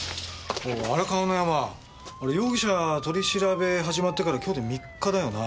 荒川のヤマあれ容疑者取り調べ始まってから今日で３日だよな。